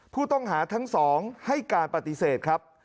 ผู้ต้องหาทั้งสองให้การปฏิเสธครับ